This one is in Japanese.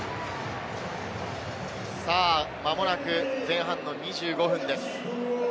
まもなく前半の２５分です。